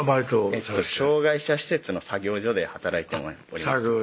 障害者施設の作業所で働いております